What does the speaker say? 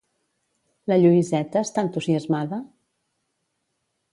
La Lluïseta està entusiasmada?